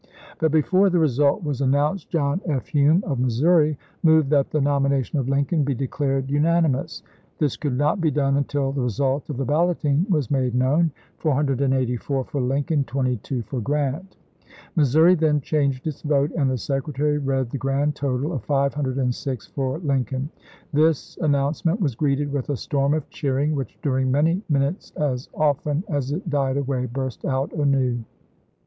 But before the result was announced John F. Hume of Missouri moved that the nomination of Lincoln be declared unanimous. This could not be done until the result of the balloting was made known — 484 for Lincoln, 22 for Grant. Missouri then changed its vote, and the secretary read the grand total of 506 for Lincoln. This announcement was greeted with a storm of cheering, which during many min utes as often as it died away burst out anew.